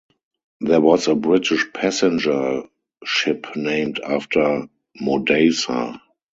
There was a British passenger ship named after Modasa.